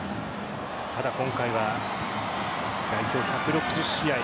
ただ、今回は代表１６０試合。